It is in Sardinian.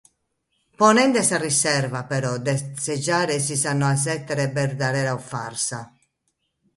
Ponende sa riserva però, de sejare si sa noa esseret berdadera o farsa.